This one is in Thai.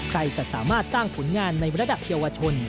ใครจะสามารถสร้างผลงานในระดับเยาวชน